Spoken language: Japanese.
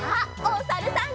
おさるさん。